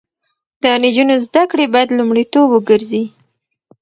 د نجونو زده کړې باید لومړیتوب وګرځي.